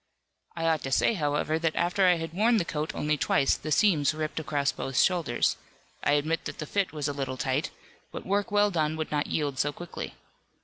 "I ought to say however that after I had worn the coat only twice the seams ripped across both shoulders, I admit that the fit was a little tight, but work well done would not yield so quickly.